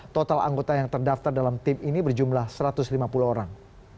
total anggota yang terdaftar dalam tim ini berjumlah satu ratus lima puluh orang